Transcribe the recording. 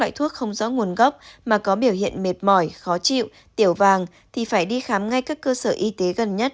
và có biểu hiện mệt mỏi khó chịu tiểu vàng thì phải đi khám ngay các cơ sở y tế gần nhất